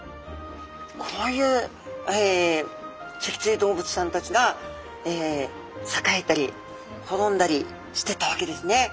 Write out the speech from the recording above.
こういう脊椎動物さんたちが栄えたりほろんだりしていったわけですね。